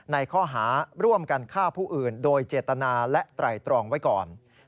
ในข้อหาร่วมกันฆ่าผู้อื่นโดยเจตนาและไตรตรองไว้ก่อน